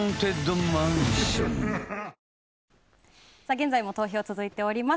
現在も投票続いております。